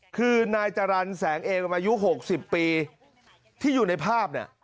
คือนายจรรย์แสงเอมอายุ๖๐ปีที่อยู่ในภาพเนี่ย